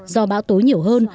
do bão tối nhiều hơn